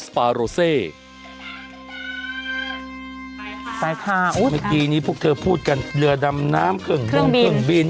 เมื่อกี้นี้พวกเธอพูดกันเหลือดำน้ำเครื่องบิน